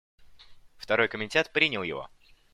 Второй комитет принял его.